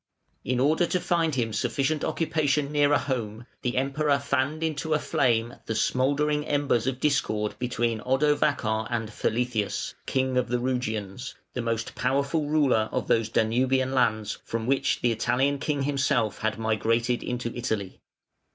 In order to find him sufficient occupation nearer home, the Emperor fanned into a flame the smouldering embers of discord between Odovacar and Feletheus, king of the Rugians, the most powerful ruler of those Danubian lands from which the Italian king himself had migrated into Italy.